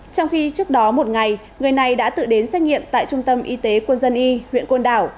trong khi trước đó một ngày người này đã tự đến xét nghiệm tại trung tâm y tế quân dân y huyện côn đảo